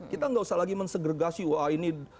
kita nggak usah lagi mensegregasi wah ini